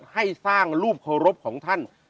ให้สร้างรูปเคารพของท่าน